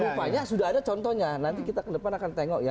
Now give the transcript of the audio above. rupanya sudah ada contohnya nanti kita ke depan akan tengok ya